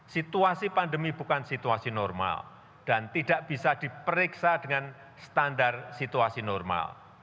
situasi pandemi bukan situasi normal dan tidak bisa diperiksa dengan standar situasi normal